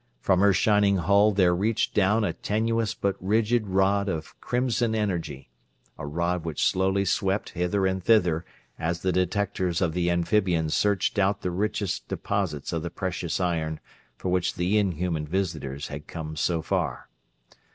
From her shining hull there reached down a tenuous but rigid rod of crimson energy; a rod which slowly swept hither and thither as the detectors of the amphibians searched out the richest deposits of the precious iron for which the inhuman visitors had come so far.